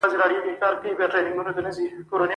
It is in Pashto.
پېښې چې ځاني تلفات او مالي زیانونه په کې شامل وي.